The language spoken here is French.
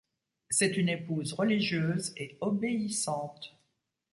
C'est une épouse religieuse et obéissante.